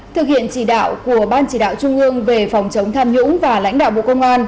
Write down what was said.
thực hiện chỉ đạo của ban chỉ đạo trung ương về phòng chống tham nhũng và lãnh đạo bộ công an